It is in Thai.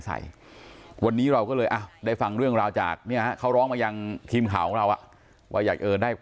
ในวันนี้เราก็เลยได้ฟังเรื่องราวจากเค้าร้องมาอย่างครีมข่าวของเรา